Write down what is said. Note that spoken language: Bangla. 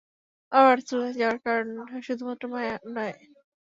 আমার বার্সেলোনায় যাওয়ার কারণ শুধুমাত্র মায়া নয়।